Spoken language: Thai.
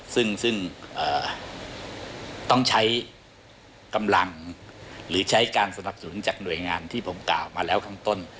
ซึ่งต้องใช้กำลังหรือใช้การสนับสนุนจากหน่วยงานที่ผมกล่าวมาแล้วข้างต้น